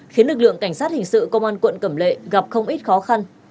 khiến lực lượng cảnh sát hình sự công an quận cẩm lệ gặp không ít khó khăn